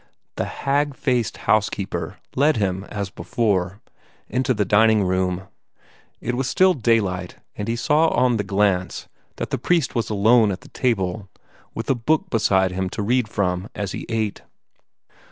The hag faced housekeeper led him, as before, into the dining room. It was still daylight, and he saw on the glance that the priest was alone at the table, with a book beside him to read from as he ate.